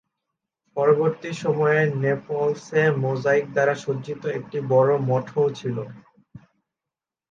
পরবর্তী সময়ে নেপলসে মোজাইক দ্বারা সজ্জিত একটি বড় মঠও ছিল।